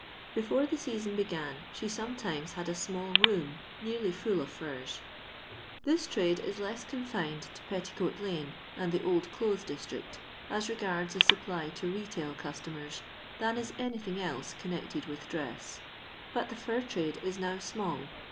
Before the season began, she sometimes had a small room nearly full of furs. This trade is less confined to Petticoat lane and the old clothes district, as regards the supply to retail customers, than is anything else connected with dress. But the fur trade is now small.